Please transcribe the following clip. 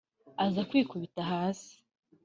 aza kwikubita hasi